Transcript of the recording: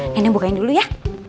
neneng bukain dulu ya